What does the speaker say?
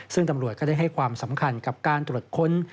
ซึ่งตำรวจก็ได้ให้ความสำคัญกับการตรวจค้น